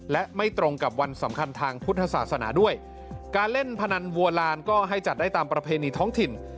และไม่ตรงกับวันสำคัญทางพุทธศาสนาด้วยการเล่นพนันวัวลานก็ให้จัดได้ตามประเพณีท้องถิ่น